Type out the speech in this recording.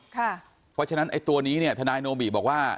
เพราะฉะนั้นตัวนี้ทนายโนบิบอกว่า